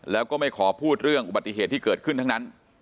แล้วก็ไม่ขอพูดเรื่องอุบัติเหตุที่เกิดขึ้นทั้งนั้น